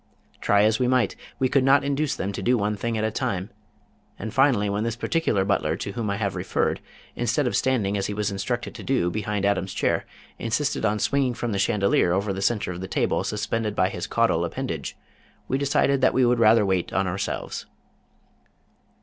Try as we might we could not induce them to do one thing at a time, and finally when this particular butler, to whom I have referred, instead of standing as he was instructed to do behind Adam's chair, insisted on swinging from the chandelier over the center of the table suspended by his caudal appendage, we decided that we would rather wait on ourselves."